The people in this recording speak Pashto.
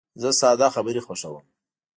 زه ساده خبرې خوښوم.